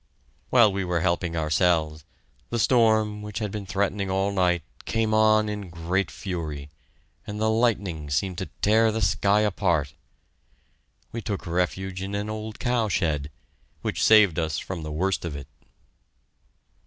While we were helping ourselves, the storm which had been threatening all night came on in great fury, and the lightning seemed to tear the sky apart. We took refuge in an old cow shed, which saved us from the worst of it.